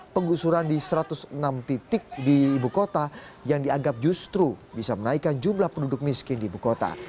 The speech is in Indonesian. penggusuran di satu ratus enam titik di ibu kota yang dianggap justru bisa menaikkan jumlah penduduk miskin di ibu kota